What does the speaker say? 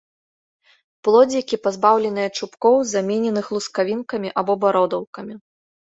Плодзікі пазбаўленыя чубкоў, замененых лускавінкамі або бародаўкамі.